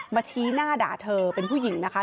ชี้หน้าด่าเธอเป็นผู้หญิงนะคะ